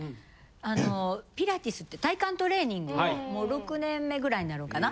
あのピラティスって体幹トレーニングをもう６年目ぐらいになるんかな？